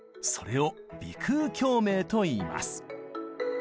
それを「鼻腔共鳴」といいます。